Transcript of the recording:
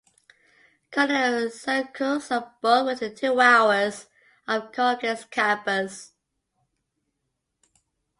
Cornell and Syracuse are both within two hours of Colgate's campus.